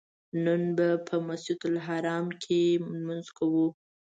نن به په مسجدالحرام کې لمونځ کوو.